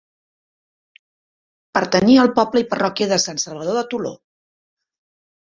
Pertanyia al poble i parròquia de Sant Salvador de Toló.